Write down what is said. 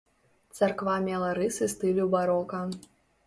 Царква мела рысы стылю барока.